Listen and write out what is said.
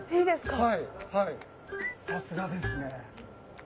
はいさすがですね。